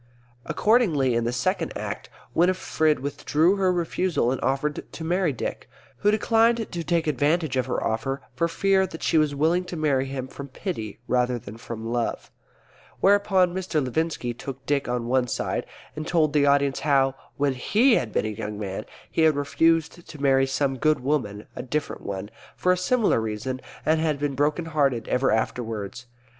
Accordingly in the Second Act Winifred withdrew her refusal and offered to marry Dick, who declined to take advantage of her offer for fear that she was willing to marry him from pity rather than from love; whereupon Mr. Levinski took Dick on one side and told the audience how, when he had been a young man, he had refused to marry some good woman (a different one) for a similar reason, and had been broken hearted ever afterwards.